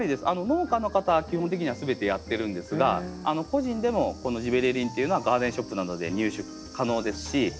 農家の方は基本的には全てやってるんですが個人でもこのジベレリンっていうのはガーデンショップなどで入手可能ですし。